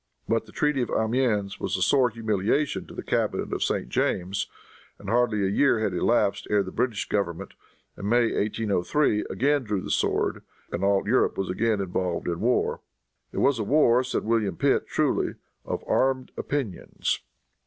But the treaty of Amiens was a sore humiliation to the cabinet of St. James, and hardly a year had elapsed ere the British government, in May, 1803, again drew the sword, and all Europe was again involved in war. It was a war, said William Pitt truly, "of armed opinions."